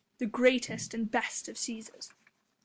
the Greatest and best of Cæsars."